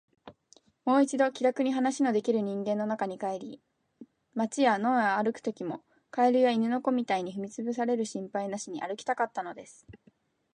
もう一度、気らくに話のできる人間の中に帰り、街や野を歩くときも、蛙や犬の子みたいに踏みつぶされる心配なしに歩きたかったのです。